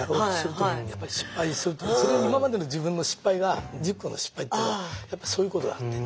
今までの自分の失敗が１０個の失敗というのはやっぱりそういうことがあって。